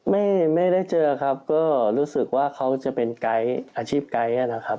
ไม่ได้เจอครับก็รู้สึกว่าเขาจะเป็นไกด์อาชีพไกด์นะครับ